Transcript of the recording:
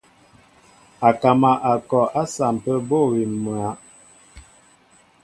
Akama a kɔ a sampə bô awim myǎ.